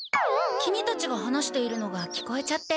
キミたちが話しているのが聞こえちゃって。